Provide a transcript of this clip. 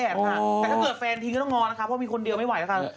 แต่ถ้าเกิดแฟนที่ต้องง้อง้อนค่ะเพราะมีคนเดียวไม่ไหวละคะ